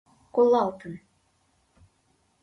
Колалтын: